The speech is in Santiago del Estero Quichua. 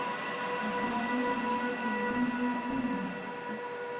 qasapi achka quirquinchu tiyan